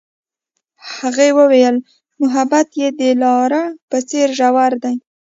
هغې وویل محبت یې د لاره په څېر ژور دی.